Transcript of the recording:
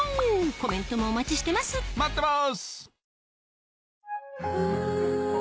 コメントもお待ちしてます待ってます！